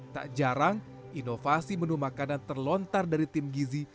tak jarang inovasi menu makanan terlontar dari tim gizi